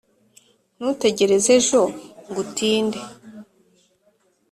ntutegereze ejo; ngo utinde